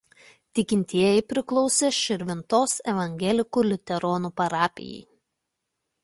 Tikintieji priklausė Širvintos evangelikų liuteronų parapijai.